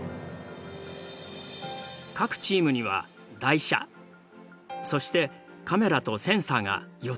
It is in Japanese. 各チームには台車そしてカメラとセンサーが４つずつ配られた。